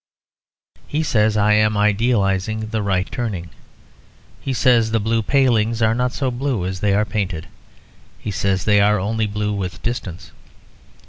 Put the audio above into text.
He says I am idealising the right turning. He says the blue palings are not so blue as they are painted. He says they are only blue with distance.